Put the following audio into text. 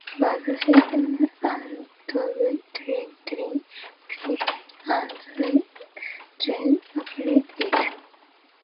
But the system undoubtedly exists and the Jews operate it.